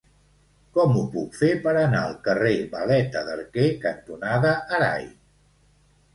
Com ho puc fer per anar al carrer Valeta d'Arquer cantonada Arai?